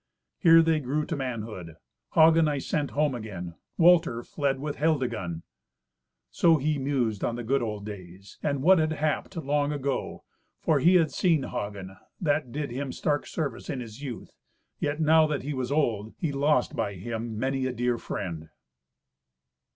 Here they grew to manhood. Hagen I sent home again. Walter fled with Hildegund." So he mused on the good old days, and what had happed long ago, for he had seen Hagen, that did him stark service in his youth. Yet now that he was old, he lost by him many a dear friend.